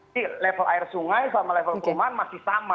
jadi level air sungai sama level puman masih sama